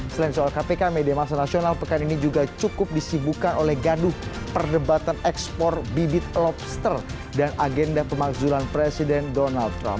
selain soal kpk media masa nasional pekan ini juga cukup disibukan oleh gaduh perdebatan ekspor bibit lobster dan agenda pemakzulan presiden donald trump